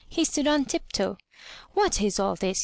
He stood on tiptoe. ''What is all this?''